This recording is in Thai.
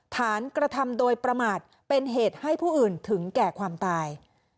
กระทำโดยประมาทเป็นเหตุให้ผู้อื่นถึงแก่ความตาย